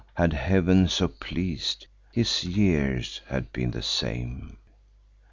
had Heav'n so pleas'd, his years had been the same.